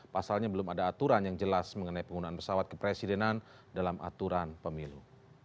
pasalnya belum ada aturan yang jelas mengenai penggunaan pesawat kepresidenan dalam aturan pemilu